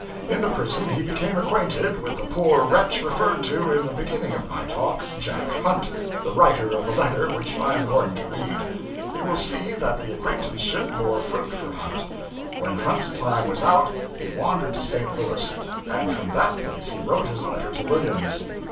In the prison he became acquainted with the poor wretch referred to in the beginning of my talk, Jack Hunt, the writer of the letter which I am going to read. You will see that the acquaintanceship bore fruit for Hunt. When Hunt's time was out, he wandered to St. Louis; and from that place he wrote his letter to Williams.